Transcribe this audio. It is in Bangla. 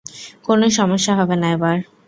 কোনো সমস্যা হবে না এবার।